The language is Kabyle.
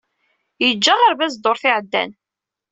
Iǧǧa aɣerbaz ddurt iɛeddan.